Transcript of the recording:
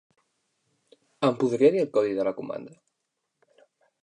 Em podria dir el codi de comanda?